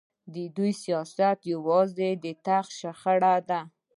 د دوی سیاست یوازې د تخت شخړه ده.